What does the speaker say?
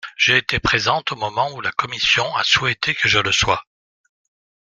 J’ai été présente au moment où la commission a souhaité que je le sois.